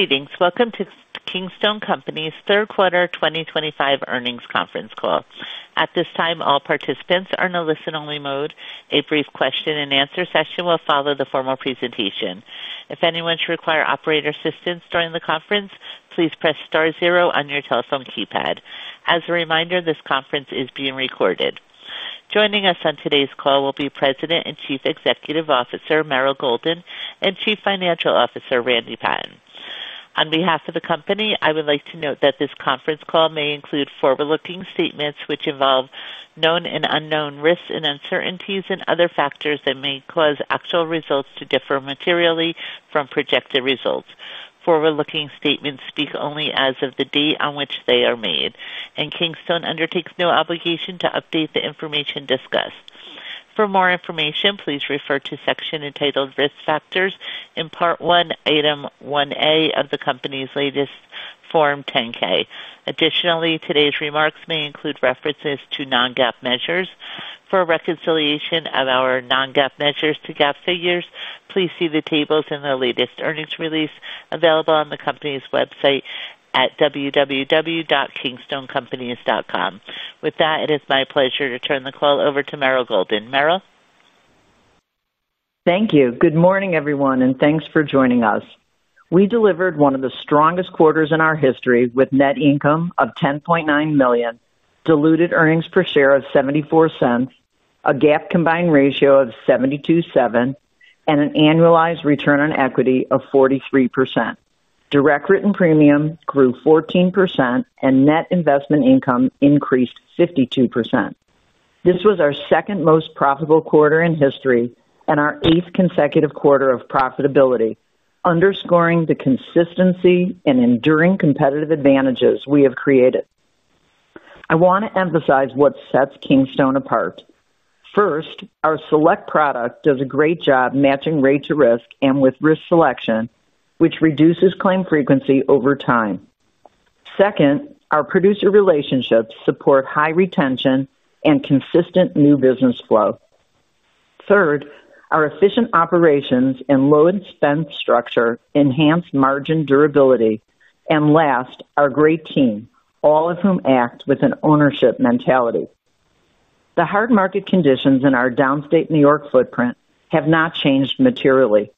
Greetings. Welcome to Kingstone Companies' Third Quarter 2025 Earnings Conference Call. At this time, all participants are in a listen-only mode. A brief question-and-answer session will follow the formal presentation. If anyone should require operator assistance during the conference, please press star zero on your telephone keypad. As a reminder, this conference is being recorded. Joining us on today's call will be President and Chief Executive Officer Meryl Golden and Chief Financial Officer, Randy Patten. On behalf of the company, I would like to note that this conference call may include forward-looking statements which involve known and unknown risks and uncertainties and other factors that may cause actual results to differ materially from projected results. Forward-looking statements speak only as of the day on which they are made, and Kingstone undertakes no obligation to update the information discussed. For more information, please refer to the section entitled Risk Factors in Part 1, Item 1A of the company's latest Form 10-K. Additionally, today's remarks may include references to non-GAAP measures. For reconciliation of our non-GAAP measures to GAAP figures, please see the tables in the latest earnings release available on the company's website at www.kingstonecompanies.com. With that, it is my pleasure to turn the call over to Meryl Golden. Meryl? Thank you. Good morning, everyone, and thanks for joining us. We delivered one of the strongest quarters in our history with net income of $10.9 million, diluted earnings per share of $0.74, a GAAP combined ratio of 72.7%, and an annualized return on equity of 43%. Direct written premium grew 14%, and net investment income increased 52%. This was our second most profitable quarter in history and our eighth consecutive quarter of profitability, underscoring the consistency and enduring competitive advantages we have created. I want to emphasize what sets Kingstone apart. First, our Select product does a great job matching rate to risk and with risk selection, which reduces claim frequency over time. Second, our producer relationships support high retention and consistent new business flow. Third, our efficient operations and low-expense structure enhance margin durability. Last, our great team, all of whom act with an ownership mentality. The hard market conditions in our downstate New York footprint have not changed materially.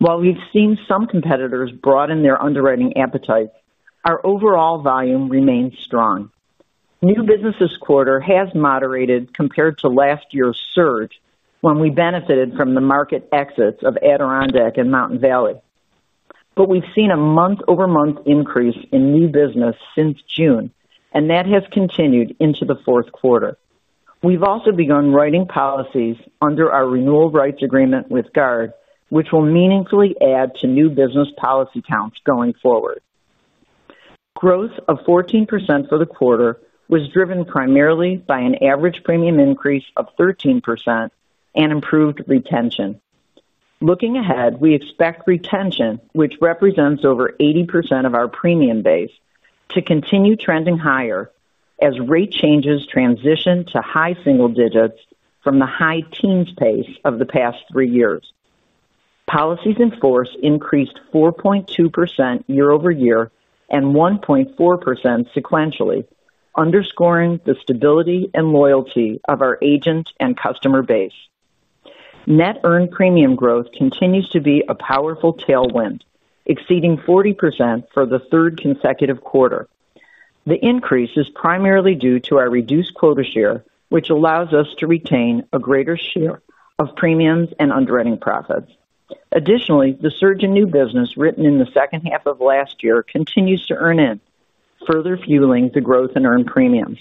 While we've seen some competitors broaden their underwriting appetite, our overall volume remains strong. New business this quarter has moderated compared to last year's surge when we benefited from the market exits of Adirondack and Mountain Valley. We've seen a month-over-month increase in new business since June, and that has continued into the fourth quarter. We've also begun writing policies under our renewal rights agreement with Guard, which will meaningfully add to new business policy counts going forward. Growth of 14% for the quarter was driven primarily by an average premium increase of 13% and improved retention. Looking ahead, we expect retention, which represents over 80% of our premium base, to continue trending higher as rate changes transition to high single digits from the high teens pace of the past three years. Policies in force increased 4.2% year-over-year and 1.4% sequentially, underscoring the stability and loyalty of our agent and customer base. Net earned premium growth continues to be a powerful tailwind, exceeding 40% for the third consecutive quarter. The increase is primarily due to our reduced quota share, which allows us to retain a greater share of premiums and underwriting profits. Additionally, the surge in new business written in the second half of last year continues to earn in, further fueling the growth in earned premiums.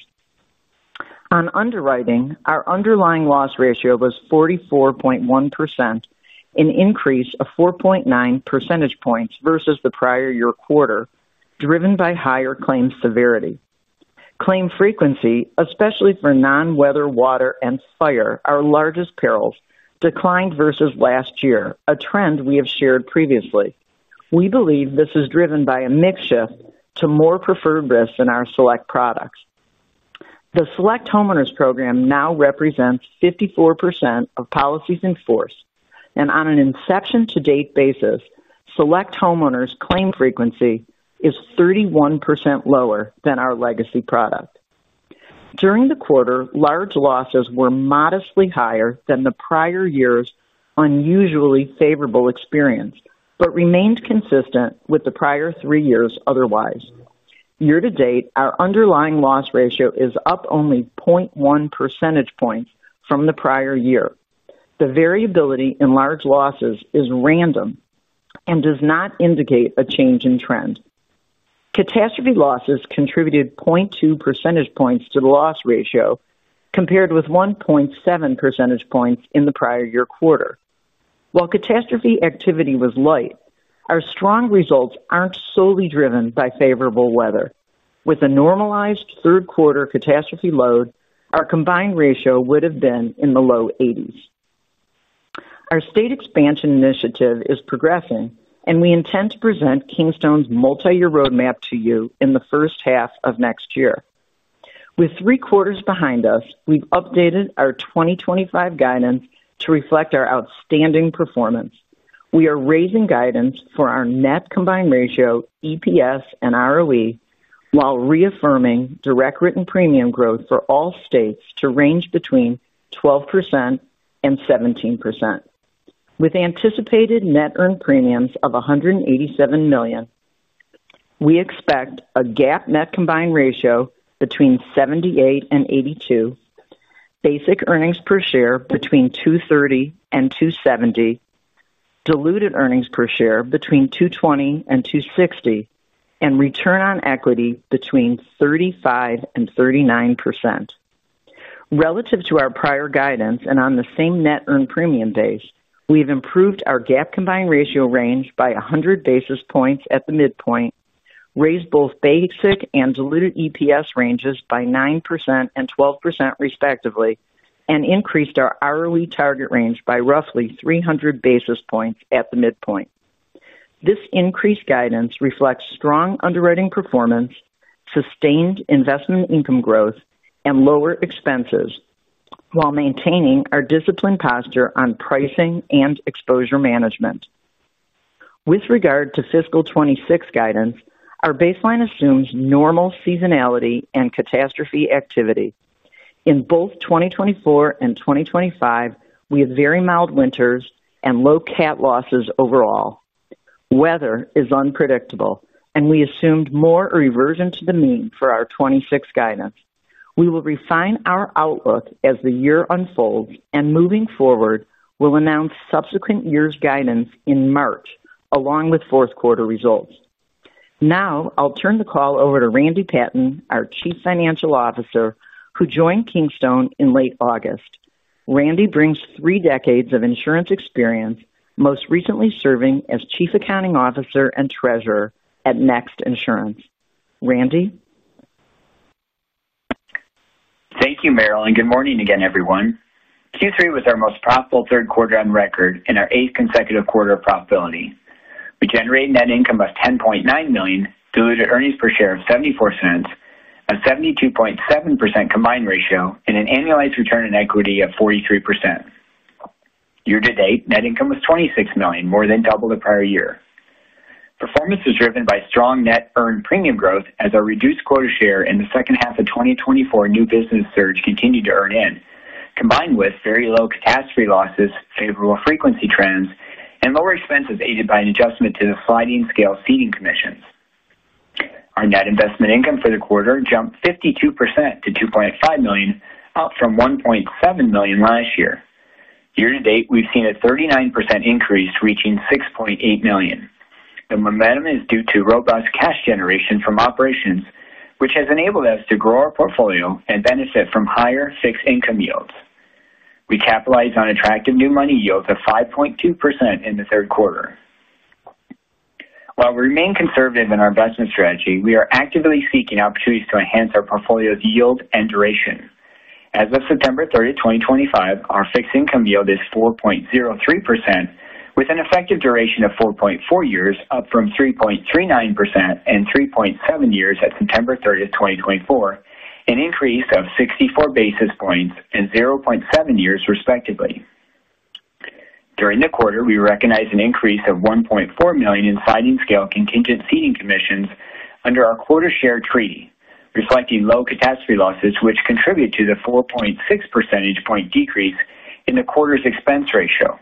On underwriting, our underlying loss ratio was 44.1%, an increase of 4.9 percentage points versus the prior year quarter, driven by higher claim severity. Claim frequency, especially for non-weather, water, and fire, our largest perils, declined versus last year, a trend we have shared previously. We believe this is driven by a mixture to more preferred risks in our Select products. The Select homeowners program now represents 54% of policies in force, and on an inception-to-date basis, Select homeowners' claim frequency is 31% lower than our legacy product. During the quarter, large losses were modestly higher than the prior year's unusually favorable experience but remained consistent with the prior three years otherwise. Year-to-date, our underlying loss ratio is up only 0.1 percentage points from the prior year. The variability in large losses is random and does not indicate a change in trend. Catastrophe losses contributed 0.2 percentage points to the loss ratio compared with 1.7 percentage points in the prior year quarter. While catastrophe activity was light, our strong results aren't solely driven by favorable weather. With a normalized third quarter catastrophe load, our combined ratio would have been in the low 80s. Our state expansion initiative is progressing, and we intend to present Kingstone's multi-year roadmap to you in the first half of next year. With three quarters behind us, we've updated our 2025 guidance to reflect our outstanding performance. We are raising guidance for our net combined ratio, EPS, and ROE while reaffirming direct written premium growth for all states to range between 12% and 17%. With anticipated net earned premiums of $187 million, we expect a GAAP net combined ratio between 78%-82%, basic earnings per share between $2.30-$2.70, diluted earnings per share between $2.20-$2.60, and return on equity between 35%-39%. Relative to our prior guidance and on the same net earned premium base, we have improved our GAAP combined ratio range by 100 basis points at the midpoint, raised both basic and diluted EPS ranges by 9% and 12% respectively, and increased our ROE target range by roughly 300 basis points at the midpoint. This increased guidance reflects strong underwriting performance, sustained investment income growth, and lower expenses while maintaining our disciplined posture on pricing and exposure management. With regard to fiscal 2026 guidance, our baseline assumes normal seasonality and catastrophe activity. In both 2024 and 2025, we have very mild winters and low cat losses overall. Weather is unpredictable, and we assumed more reversion to the mean for our 2026 guidance. We will refine our outlook as the year unfolds, and moving forward, we'll announce subsequent year's guidance in March along with fourth quarter results. Now, I'll turn the call over to Randy Patten, our Chief Financial Officer, who joined Kingstone in late August. Randy brings three decades of insurance experience, most recently serving as Chief Accounting Officer and Treasurer at Next Insurance. Randy? Thank you, Meryl, and good morning again, everyone. Q3 was our most profitable third quarter on record and our eighth consecutive quarter of profitability. We generated net income of $10.9 million, diluted earnings per share of $0.74, a 72.7% combined ratio, and an annualized return on equity of 43%. Year-to-date, net income was $26 million, more than double the prior year. Performance is driven by strong net earned premium growth as our reduced quota share in the second half of 2024 new business surge continued to earn in, combined with very low catastrophe losses, favorable frequency trends, and lower expenses aided by an adjustment to the sliding scale ceding commissions. Our net investment income for the quarter jumped 52% to $2.5 million, up from $1.7 million last year. Year-to-date, we've seen a 39% increase reaching $6.8 million. The momentum is due to robust cash generation from operations, which has enabled us to grow our portfolio and benefit from higher fixed income yields. We capitalized on attractive new money yields of 5.2% in the third quarter. While we remain conservative in our investment strategy, we are actively seeking opportunities to enhance our portfolio's yield and duration. As of September 30, 2025, our fixed income yield is 4.03%, with an effective duration of 4.4 years, up from 3.39% and 3.7 years at September 30, 2024, an increase of 64 basis points and 0.7 years, respectively. During the quarter, we recognized an increase of $1.4 million in sliding scale contingent ceding commissions under our quota share treaty, reflecting low catastrophe losses, which contribute to the 4.6 percentage point decrease in the quarter's expense ratio.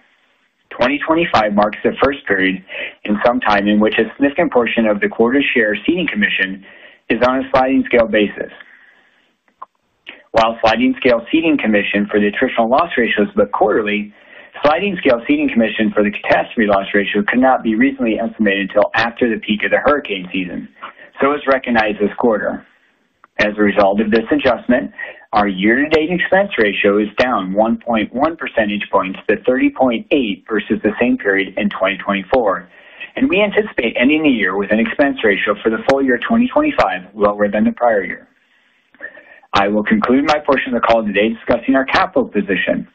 2025 marks the first period in some time in which a significant portion of the quota share ceding commission is on a sliding scale basis. While sliding scale ceding commission for the attritional loss ratio is booked quarterly, sliding scale ceding commission for the catastrophe loss ratio could not be reasonably estimated until after the peak of the hurricane season, so it is recognized this quarter. As a result of this adjustment, our year-to-date expense ratio is down 1.1 percentage points to 30.8% versus the same period in 2024, and we anticipate ending the year with an expense ratio for the full year 2025 lower than the prior year. I will conclude my portion of the call today discussing our capital position.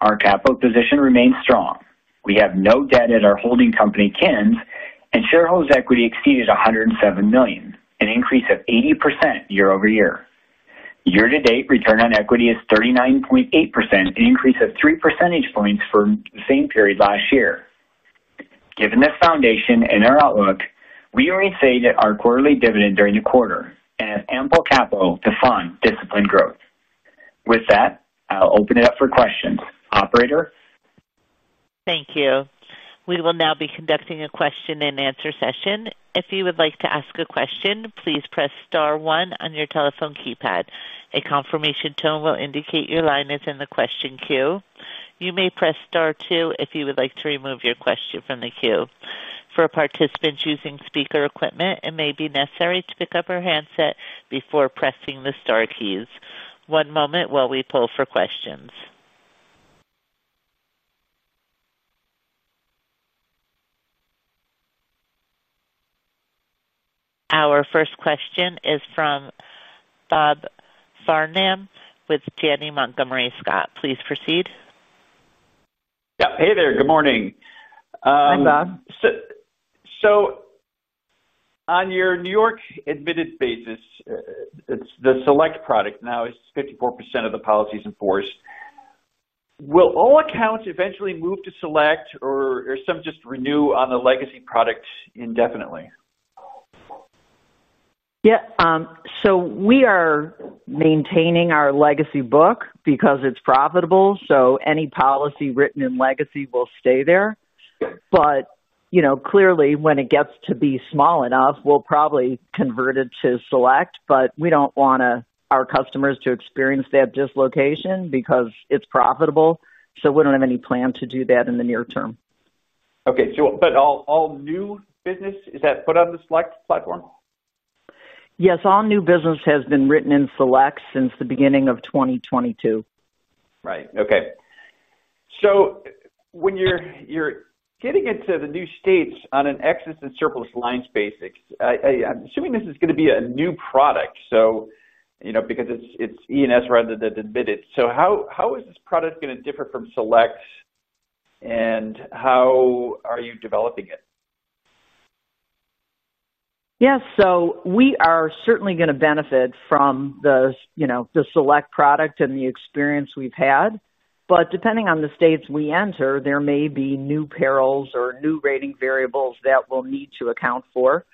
Our capital position remains strong. We have no debt at our holding company, Kins, and shareholders' equity exceeded $107 million, an increase of 80% year-over-year. Year-to-date, return on equity is 39.8%, an increase of 3 percentage points from the same period last year. Given this foundation and our outlook, we already say that our quarterly dividend during the quarter and has ample capital to fund disciplined growth. With that, I'll open it up for questions. Operator? Thank you. We will now be conducting a question-and-answer session. If you would like to ask a question, please press star one on your telephone keypad. A confirmation tone will indicate your line is in the question queue. You may press star two if you would like to remove your question from the queue. For participants using speaker equipment, it may be necessary to pick up your handset before pressing the star keys. One moment while we pull for questions. Our first question is from Rob Farnham with Janney Montgomery Scott. Please proceed. Yeah. Hey there. Good morning. Hey, Rob. On your New York admitted basis, it's the Select product now is 54% of the policies in force. Will all accounts eventually move to Select, or are some just renew on the legacy product indefinitely? Yeah. We are maintaining our legacy book because it is profitable, so any policy written in legacy will stay there. Clearly, when it gets to be small enough, we will probably convert it to Select, but we do not want our customers to experience that dislocation because it is profitable, so we do not have any plan to do that in the near term. Okay. All new business, is that put on the Select platform? Yes. All new business has been written in Select since the beginning of 2022. Right. Okay. So when you're getting into the new states on an excess and surplus lines basis, I'm assuming this is going to be a new product because it's E&S rather than admitted. So how is this product going to differ from Select, and how are you developing it? Yeah. We are certainly going to benefit from the Select product and the experience we've had. Depending on the states we enter, there may be new perils or new rating variables that we'll need to account for.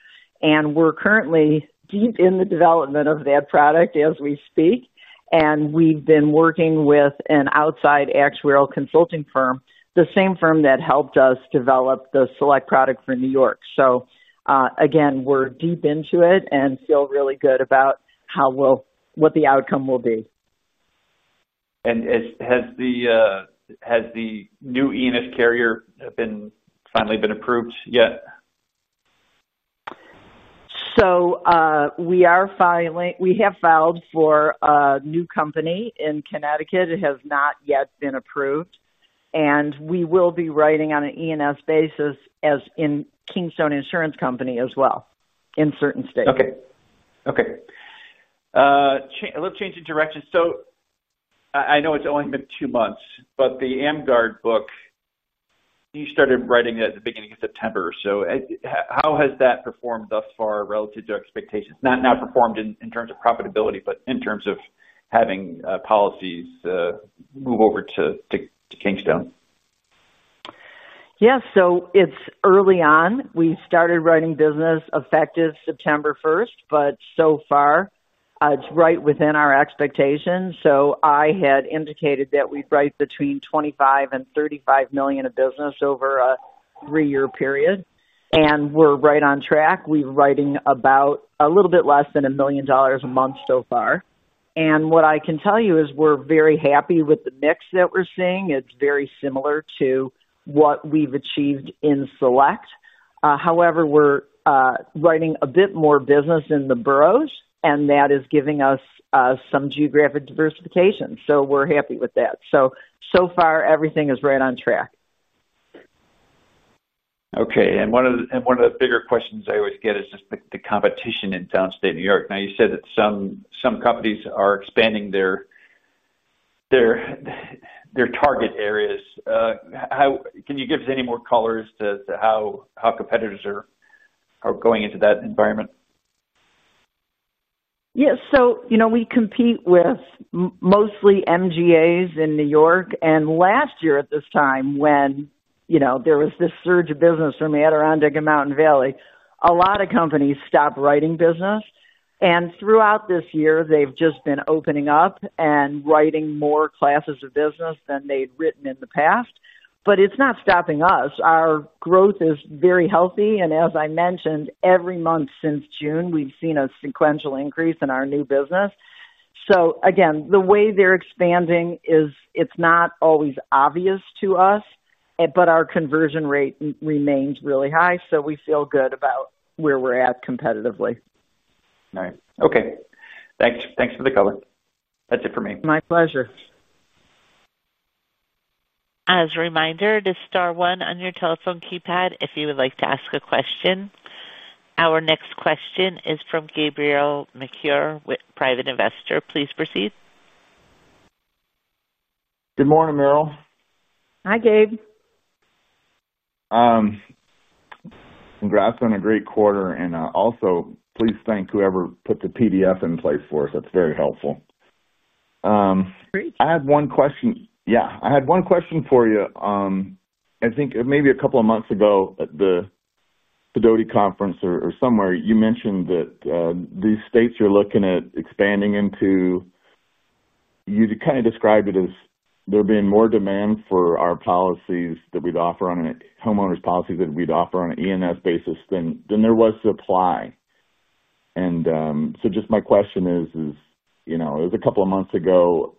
We are currently deep in the development of that product as we speak, and we've been working with an outside actuarial consulting firm, the same firm that helped us develop the Select product for New York. We are deep into it and feel really good about what the outcome will be. Has the new E&S carrier finally been approved yet? We have filed for a new company in Connecticut. It has not yet been approved, and we will be writing on an excess and surplus lines basis as in Kingstone Insurance Company as well in certain states. Okay. Okay. A little change in direction. I know it's only been two months, but the AmGUARD book, you started writing that at the beginning of September. How has that performed thus far relative to expectations? Not performed in terms of profitability, but in terms of having policies move over to Kingstone? Yeah. It's early on. We started writing business effective September 1, but so far, it's right within our expectations. I had indicated that we'd write between $25 million and $35 million of business over a three-year period, and we're right on track. We're writing about a little bit less than $1 million a month so far. What I can tell you is we're very happy with the mix that we're seeing. It's very similar to what we've achieved in Select. However, we're writing a bit more business in the boroughs, and that is giving us some geographic diversification. We're happy with that. So far, everything is right on track. Okay. One of the bigger questions I always get is just the competition in downstate New York. You said that some companies are expanding their target areas. Can you give us any more color as to how competitors are going into that environment? Yeah. We compete with mostly MGAs in New York. Last year at this time, when there was this surge of business from Adirondack and Mountain Valley, a lot of companies stopped writing business. Throughout this year, they've just been opening up and writing more classes of business than they'd written in the past. It's not stopping us. Our growth is very healthy. As I mentioned, every month since June, we've seen a sequential increase in our new business. The way they're expanding is it's not always obvious to us, but our conversion rate remains really high, so we feel good about where we're at competitively. All right. Okay. Thanks for the color. That's it for me. My pleasure. As a reminder, the star one on your telephone keypad if you would like to ask a question. Our next question is from Gabriel McClure with Private Investor. Please proceed. Good morning, Meryl. Hi, Gabe. Congrats on a great quarter. Also, please thank whoever put the PDF in place for us. That is very helpful. Great. I had one question. Yeah. I had one question for you. I think maybe a couple of months ago at the Podiatry Conference or somewhere, you mentioned that these states you're looking at expanding into. You kind of described it as there being more demand for our policies that we'd offer on a homeowners policy that we'd offer on an E&S basis than there was supply. Just my question is, it was a couple of months ago.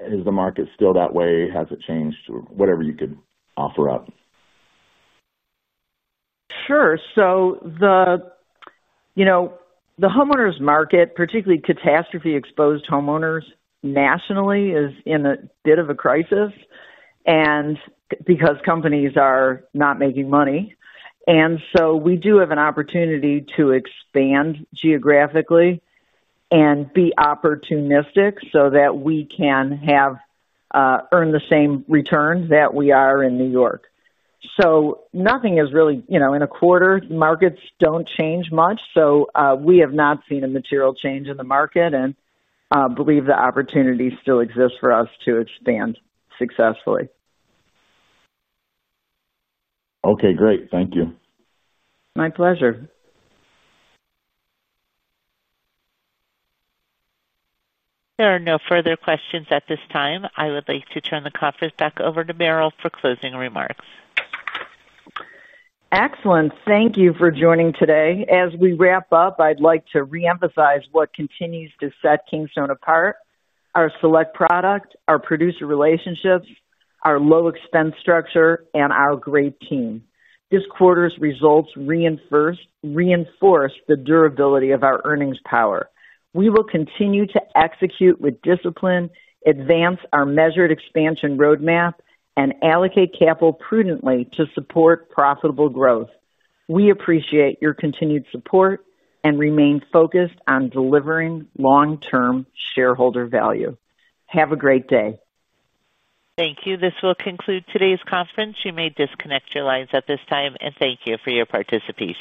Is the market still that way? Has it changed? Whatever you could offer up. Sure. The homeowners' market, particularly catastrophe-exposed homeowners nationally, is in a bit of a crisis because companies are not making money. We do have an opportunity to expand geographically and be opportunistic so that we can earn the same returns that we are in New York. Nothing is really in a quarter, markets do not change much. We have not seen a material change in the market and believe the opportunity still exists for us to expand successfully. Okay. Great. Thank you. My pleasure. There are no further questions at this time. I would like to turn the conference back over to Meryl for closing remarks. Excellent. Thank you for joining today. As we wrap up, I'd like to reemphasize what continues to set Kingstone apart: our Select product, our producer relationships, our low-expense structure, and our great team. This quarter's results reinforce the durability of our earnings power. We will continue to execute with discipline, advance our measured expansion roadmap, and allocate capital prudently to support profitable growth. We appreciate your continued support and remain focused on delivering long-term shareholder value. Have a great day. Thank you. This will conclude today's conference. You may disconnect your lines at this time, and thank you for your participation.